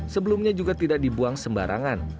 sebelumnya juga tidak dibuang sembarangan